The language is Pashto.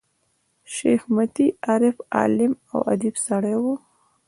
شېخ متي عارف، عالم او اديب سړی وو.